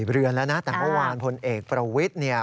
เรือนแล้วนะแต่เมื่อวานพลเอกประวิทย์เนี่ย